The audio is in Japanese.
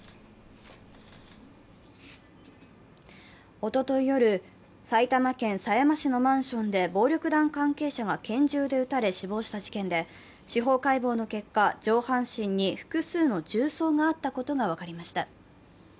おととい夜、埼玉県狭山市のマンションで、暴力団関係者が拳銃で撃たれ死亡した事件で司法解剖の結果、上半身に複数の銃創があったことが分かりました。